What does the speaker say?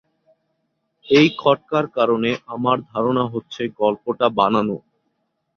এই খটকার কারণে আমার ধারণা হচ্ছে গল্পটা বানানো।